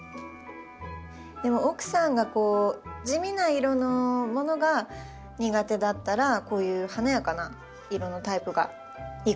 でも奥さんが地味な色のものが苦手だったらこういう華やかな色のタイプがいいかもしれないですね。